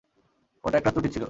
ওটা একটি ত্রুটি ছিলো।